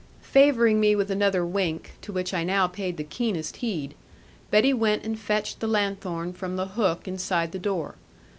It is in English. Favouring me with another wink, to which I now paid the keenest heed, Betty went and fetched the lanthorn from the hook inside the door.